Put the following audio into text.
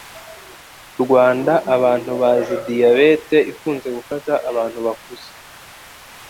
Rwanda abantu bazi diyabete ikunze gufata abantu bakuze